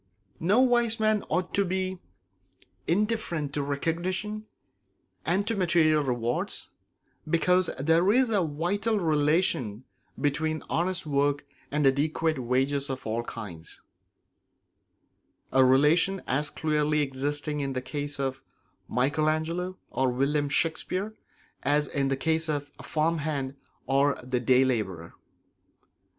No wise man ought to be indifferent to recognition and to material rewards, because there is a vital relation between honest work and adequate wages of all kinds; a relation as clearly existing in the case of Michael Angelo or of William Shakespeare as in the case of the farmhand or the day labourer.